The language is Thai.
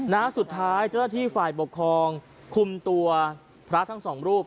นะฮะสุดท้ายเจ้าหน้าที่ฝ่ายปกครองคุมตัวพระทั้งสองรูป